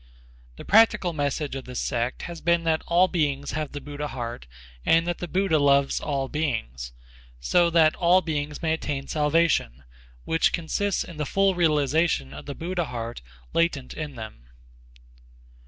The practical message of this sect has been that all beings have the Buddha heart and that the Buddha loves all beings, so that all beings may attain salvation, which consists in the full realization of the Buddha heart latent in them.